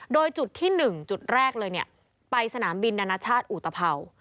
โดยจุดที่๑จุดแรกเลยเนี่ยไปสนามบินนานชาติอุตพราว